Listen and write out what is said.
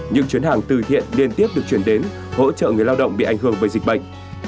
những chuyến hàng từ thiện liên tiếp được chuyển đến hỗ trợ người lao động bị ảnh hưởng bởi dịch bệnh